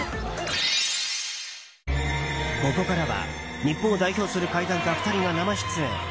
ここからは日本を代表する怪談家２人が生出演。